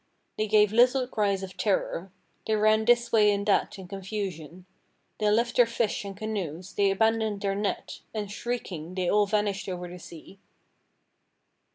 They gave little cries of terror. They ran this way and that in confusion. They left their fish and canoes, they abandoned their net. And shrieking they all vanished over the sea.